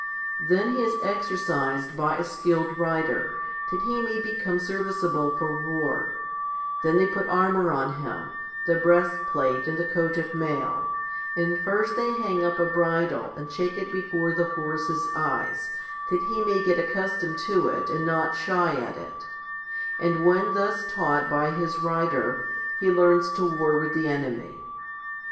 Then he is exercised by a skilled rider, that he may become serviceable for war; then they put armour on him, the breastplate and the coat of mail, and first they hang up a bridle and shake it before the horse's eyes, that he may get accustomed to it and not shy at it ; and when thus taught by his rider, he learns to war with the enemy.